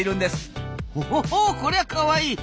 おほほこりゃかわいい！